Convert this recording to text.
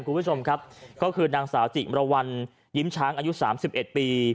คุณผู้ชมครับก็คือนางสาวจิกมรววรยิ้มช้างอายุ๓๑ปี